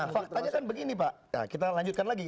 faktanya kan begini pak kita lanjutkan lagi